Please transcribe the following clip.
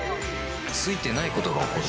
ついてないことが起こる